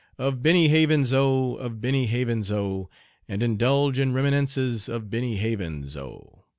Of Benny Havens O, of Benny Havens' O, And indulge in reminiscences of Benny Havens' O.